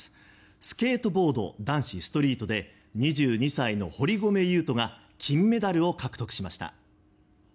スケートボード男子ストリートで２２歳の堀米雄斗が金メダルを獲得しました。